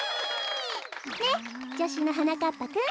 ねっじょしゅのはなかっぱくん。